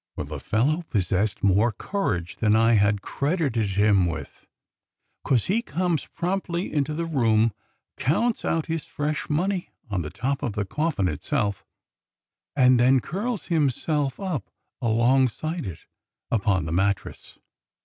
Well, the fellow possessed more courage than I had credited him with, 'cos he comes promptly into the room, counts out his fresh money on the top of the coffin itself, and then curls himself up alongside it upon the mattress.